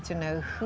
kami ingin tahu